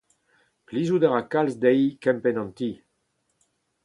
Plijout a ra kalz dezhi kempenn an ti.